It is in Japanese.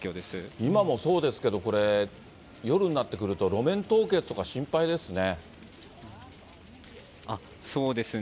今もそうですけど、これ、夜になってくると路面凍結とか心配ですね。